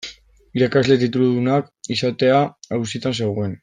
Irakasle tituludunak izatea auzitan zegoen?